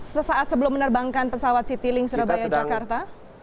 sesaat sebelum menerbangkan pesawat citylink surabaya jakarta